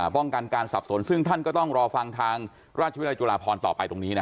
ป้องกันการสับสนซึ่งท่านก็ต้องรอฟังทางราชวิทยาลัยจุฬาพรต่อไปตรงนี้นะ